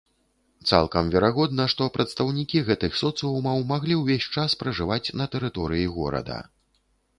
Цалкам верагодна, што прадстаўнікі гэтых соцыумаў маглі ўвесь час пражываць на тэрыторыі горада.